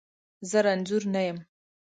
زه رنځور نه یم.